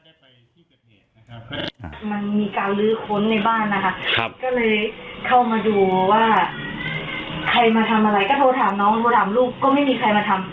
ก็เลยเข้ามาดูว่าใครมาทำอะไรก็โทรถามน้องโทรถามลูกก็ไม่มีใครมาทำ